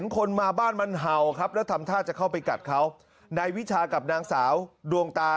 ดึงเจ้าหวานออกมา